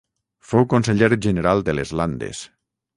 Fou conseller general de les Landes.